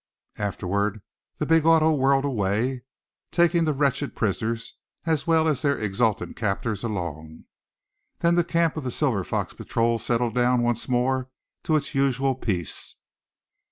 Afterward the big auto whirled away, taking the wretched prisoners, as well as their exultant captors along. Then the camp of the Silver Fox Patrol settled down once more to its usual peace.